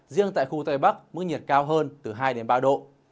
riêng tại khu tây bắc mức nhiệt cao hơn từ hai đến ba độ